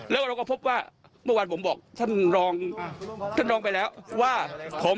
แล้วเราก็พบว่าเมื่อวานผมบอกท่านรองท่านรองไปแล้วว่าผม